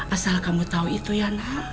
asal kamu tahu itu ya nak